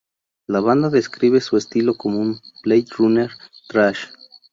La banda describe su estilo como un Blade Runner Thrash.